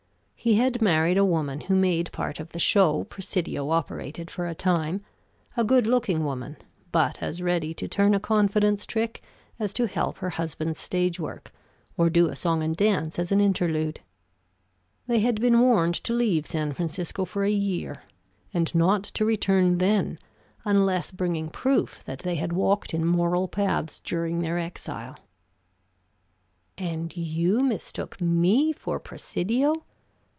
He had married a woman who made part of the show Presidio operated for a time a good looking woman, but as ready to turn a confidence trick as to help her husband's stage work, or do a song and dance as an interlude. They had been warned to leave San Francisco for a year, and not to return then, unless bringing proof that they had walked in moral paths during their exile. "And you mistook me for Presidio?"